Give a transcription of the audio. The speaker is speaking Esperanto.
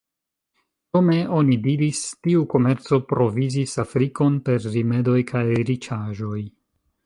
Krome, oni diris, tiu komerco provizis Afrikon per rimedoj kaj riĉaĵoj.